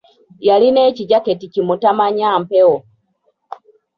Yalina ekijaketi ki mutamanyampewo.